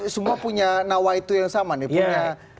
semua punya nawaitu yang sama nih punya